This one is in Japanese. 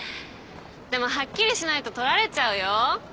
でもはっきりしないと取られちゃうよ。